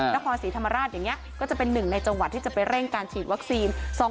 นครศรีธรรมราชอย่างนี้ก็จะเป็นหนึ่งในจังหวัดที่จะไปเร่งการฉีดวัคซีน